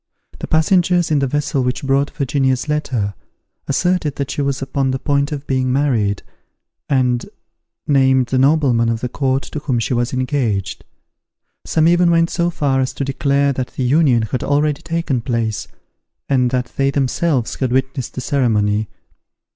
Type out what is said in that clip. The passengers in the vessel which brought Virginia's letter, asserted that she was upon the point of being married, and named the nobleman of the court to whom she was engaged. Some even went so far as to declare that the union had already taken place, and that they themselves had witnessed the ceremony.